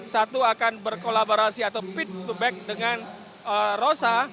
satu akan berkolaborasi atau pit to back dengan rosa